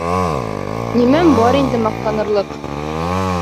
Нимәм бар инде маҡтанырлыҡ.